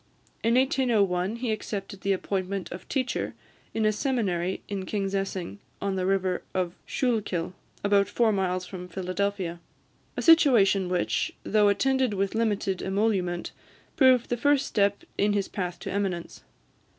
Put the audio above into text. In 1801, he accepted the appointment of teacher in a seminary in Kingsessing, on the river Schuylkill, about four miles from Philadelphia, a situation which, though attended with limited emolument, proved the first step in his path to eminence.